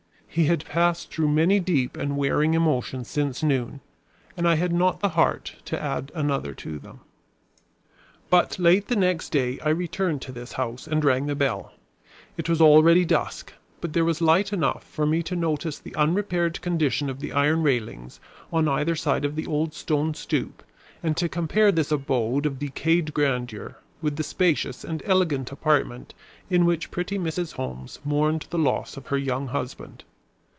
He had passed through many deep and wearing emotions since noon, and I had not the heart to add another to them. But late the next day I returned to this house and rang the bell. It was already dusk, but there was light enough for me to notice the unrepaired condition of the iron railings on either side of the old stone stoop and to compare this abode of decayed grandeur with the spacious and elegant apartment in which pretty Mrs. Holmes mourned the loss of her young husband.